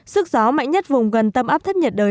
sức gió mạnh nhất vùng gần tâm áp thấp nhiệt đới